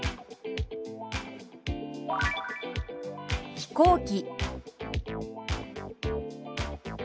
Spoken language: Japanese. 「飛行機」。